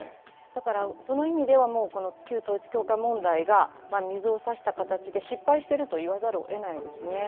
だから、その意味ではこの旧統一教会問題が水を差した形で失敗していると言わざるをえないですね。